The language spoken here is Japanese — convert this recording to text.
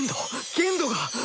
限度がッ！